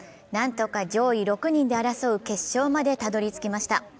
何とか上位６人で争う決勝まで、たどり着きました。